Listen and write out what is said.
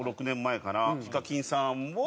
ＨＩＫＡＫＩＮさんをちょっと。